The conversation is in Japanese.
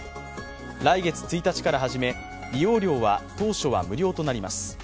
来月１日から始め、利用料は当初は無料となります。